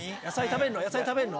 野菜食べるの？